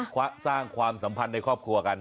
สร้างความสัมพันธ์ในครอบครัวกัน